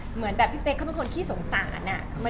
เหมือนแบบพี่เต็มครับที่สงสารอ่ะ